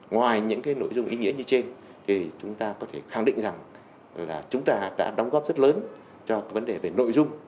ngoài những nội dung ý nghĩa như trên thì chúng ta có thể khẳng định rằng là chúng ta đã đóng góp rất lớn cho vấn đề về nội dung